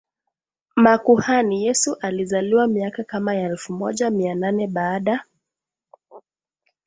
makuhani Yesu alizaliwa miaka kama ya elfu moja Mia nane baada